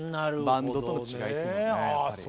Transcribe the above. バンドとの違いっていうのはね。